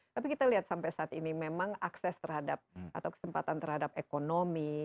tapi kita lihat sampai saat ini memang akses terhadap atau kesempatan terhadap ekonomi